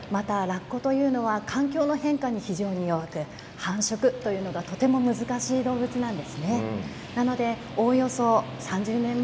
またラッコは環境の変化に非常に弱く繁殖がとっても難しい動物なんですね。